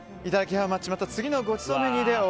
ハウマッチ次のごちそうメニューで。